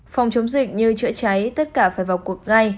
phòng chống dịch như chữa cháy tất cả phải vào cuộc ngay